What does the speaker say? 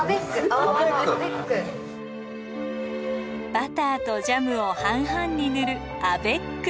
バターとジャムを半々に塗る「アベック」。